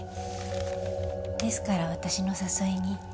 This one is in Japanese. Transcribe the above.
ですから私の誘いに。